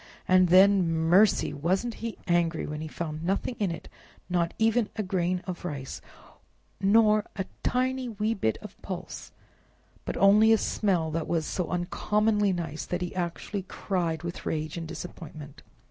And then—mercy! wasn't he angry when he found nothing in it—not even a grain of rice, nor a tiny wee bit of pulse, but only a smell that was so uncommonly nice that he actually cried with rage and disappointment.